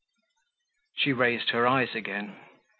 She raised her eyes again.